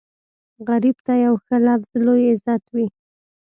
غریب ته یو ښه لفظ لوی عزت وي